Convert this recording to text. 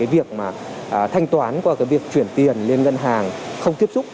việc mà thanh toán qua việc chuyển tiền lên ngân hàng không tiếp xúc